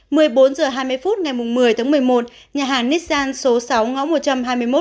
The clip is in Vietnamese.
một mươi bốn giờ hai mươi phút ngày một mươi tháng một mươi một nhà hàng nissan số sáu ngõ một trăm hai mươi một kim nghiu